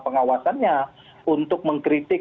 pengawasannya untuk mengkritik